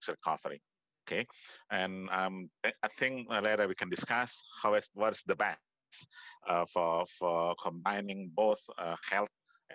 kesempatan untuk membantu orang orang kita kesempatan untuk membesar industri kita